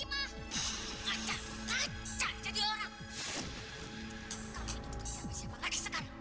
baik deh bangun sih jadi orang